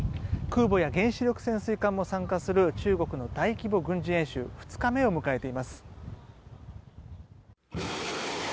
空母や原子力潜水艦も参加する中国の大規模軍事演習２日目を迎えています。